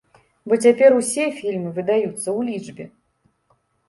Бо цяпер усе фільмы выдаюцца ў лічбе!